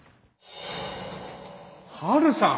ハルさん。